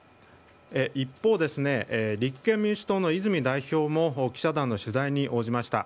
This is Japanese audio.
一方で立憲民主党の泉代表も記者団の取材に応じました。